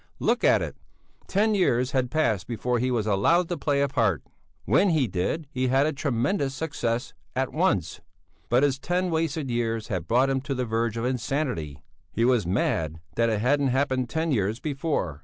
Look at it! Ten years had passed before he was allowed to play a part. When he did, he had a tremendous success at once. But his ten wasted years had brought him to the verge of insanity; he was mad that it hadn't happened ten years before.